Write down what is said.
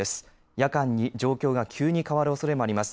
夜間に状況が急に変わるおそれもあります。